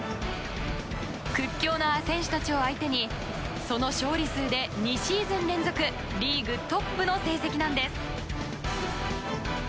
屈強な選手たちを相手にその勝利数で２シーズン連続リーグトップの成績なんです。